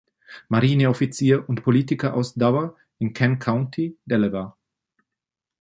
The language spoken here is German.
Marineoffizier und Politiker aus Dover, in Kent County, Delaware.